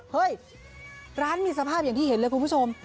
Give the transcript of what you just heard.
เฮ้ยร้านมีสภาพอย่างที่เห็นเลยคุณผู้ชม